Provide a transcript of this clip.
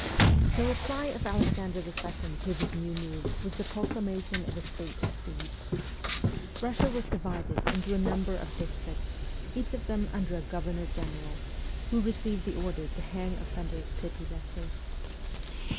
The reply of Alexander II. to this new move was the proclamation of a state of siege. Kussia was divided into a number of districts, each of them under a governor general, who received the order to hang offenders pitilessly.